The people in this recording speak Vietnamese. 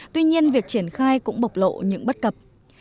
tuy nhiên việc triển khai cũng bộc lộ những bất cập